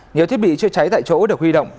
nhiều thiết bị chữa cháy tại chỗ được huy động